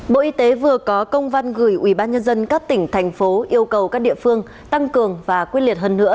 bộ y tế vừa có công văn gửi ubnd các tỉnh thành phố yêu cầu các địa phương tăng cường và quyết liệt hơn nữa